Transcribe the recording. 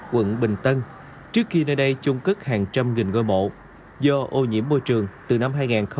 quận bình tân trước khi nơi đây trung cất hàng trăm nghìn ngô mộ do ô nhiễm môi trường từ năm hai nghìn tám